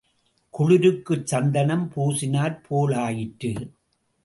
குளிருக்குச் சந்தனம் பூசினாற் போலாயிற்று.